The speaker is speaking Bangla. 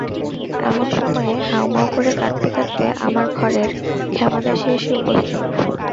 এমন সময়ে হাউ-মাউ করে কাঁদতে কাঁদতে আমার ঘরের ক্ষেমাদাসী এসে উপস্থিত।